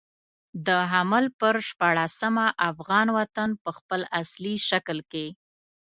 د حمل پر شپاړلسمه افغان وطن په خپل اصلي شکل کې.